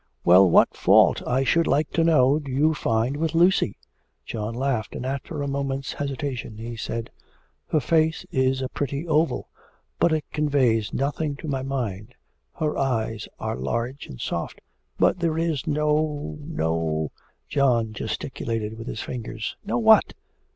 'Well, what fault, I should like to know, do you find with Lucy?' John laughed, and after a moment's hesitation, he said 'Her face is a pretty oval, but it conveys nothing to my mind; her eyes are large and soft, but there is no, no ' John gesticulated with his fingers. 'No what?'